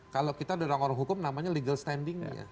kalau kita orang orang hukum namanya legal standingnya